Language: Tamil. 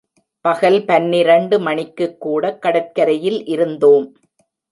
பகல் பன்னிரண்டு மணிக்குக் கூடக் கடற்கரையில் இருந்தோம்.